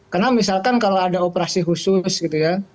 karena misalkan kalau ada operasi khusus gitu ya